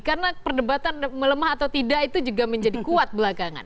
karena perdebatan melemah atau tidak itu juga menjadi kuat belakangan